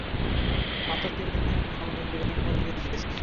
মাত্র তিন দিনে উনি আমার জীবনের মোড় ঘুরিয়ে দিয়েছেন।